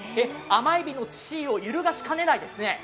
甘エビの地位を揺るがしかねないですね？